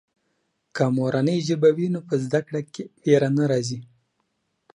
که مورنۍ ژبه وي نو په زده کړه کې وېره نه راځي.